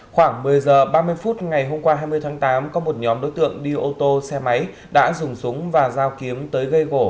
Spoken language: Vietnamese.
khoảng một mươi h ba mươi phút ngày hôm qua hai mươi tháng tám có một nhóm đối tượng đi ô tô xe máy đã dùng súng và dao kiếm tới gây gỗ